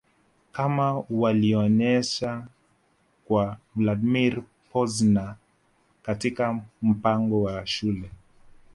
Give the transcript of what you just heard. kama walionyesha kwa Vladimir Pozner katika mpango wa Shule